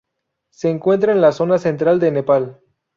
Se encuentra en la zona central de Nepal.